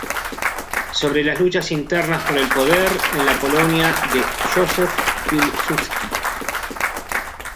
Sobre las luchas internas por el poder en la Polonia de Józef Pilsudski.